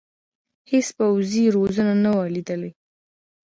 هېڅ پوځي روزنه نه وه لیدلې.